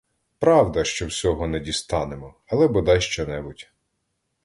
Правда, що всього не дістанемо, але бодай що-небудь.